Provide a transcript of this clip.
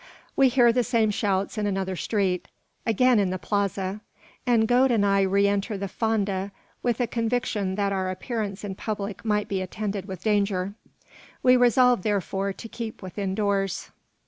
We hear the same shouts in another street; again in the plaza; and Gode and I re enter the Fonda with a conviction that our appearance in public might be attended with danger. We resolve, therefore, to keep within doors.